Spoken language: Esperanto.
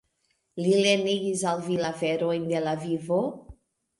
Li lernigis al vi la verojn de la vivo?